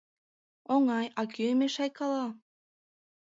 Оҥай, а кӧ мешайкала?